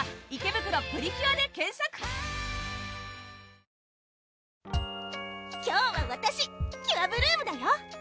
いこ今日はわたしキュアブルームだよ！